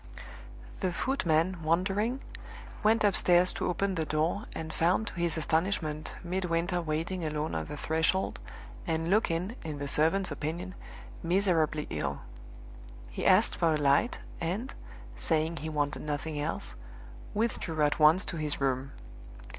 The footman, wondering, went up stairs to open the door, and found to his astonishment Midwinter waiting alone on the threshold, and looking (in the servant's opinion) miserably ill. He asked for a light, and, saying he wanted nothing else, withdrew at once to his room.